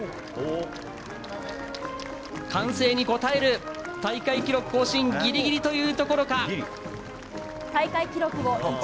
歓声に応える、大会記録更新ぎりぎりというところか。